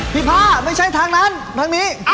ผ้าไม่ใช่ทางนั้นทางนี้